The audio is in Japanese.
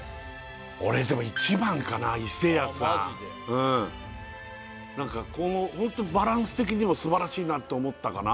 俺でも１番かな伊勢屋さん何かこのバランス的にもすばらしいなと思ったかな